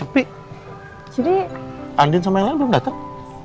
tapi andien sama yang lain belum datang